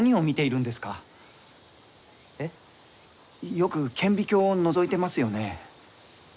よく顕微鏡をのぞいてますよね？